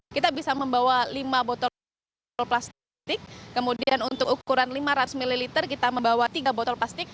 kita bisa membawa lima botol plastik kemudian untuk ukuran lima ratus ml kita membawa tiga botol plastik